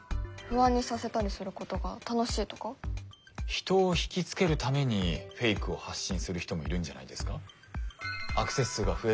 人を引きつけるためにフェイクを発信する人もいるんじゃないですか？